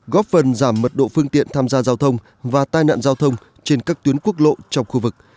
góp phần giảm mật độ phương tiện tham gia giao thông và tai nạn giao thông trên các tuyến quốc lộ trong khu vực